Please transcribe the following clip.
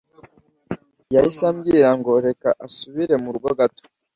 yahise ambwira ngo reka asubire murugo gato